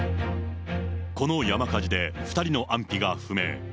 この山火事で２人の安否が不明。